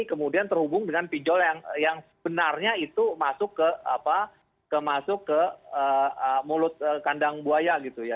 kemudian terhubung dengan pinjol yang sebenarnya itu masuk ke mulut kandang buaya gitu ya